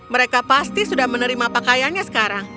mereka pasti sudah menerima pakaiannya sekarang